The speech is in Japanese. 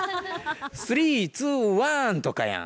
「スリーツーワン！」とかやん。